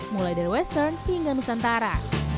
mulai dari western hingga nusantara